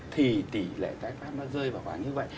thì tỷ lệ tái phát nó rơi vào khoảng như vậy